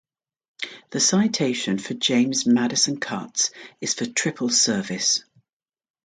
The citation for James Madison Cutts is for triple service.